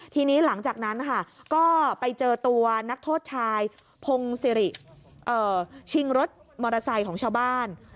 ทีนี้หลังจากนั้นค่ะก็ไปเจอตัวนักโทษชายพงศิริชิงรถมอเตอร์ไซค์ของชาวบ้าน